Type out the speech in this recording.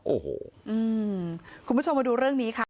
โอ้โหคุณผู้ชมมาดูเรื่องนี้ค่ะ